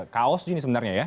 kaos ini sebenarnya ya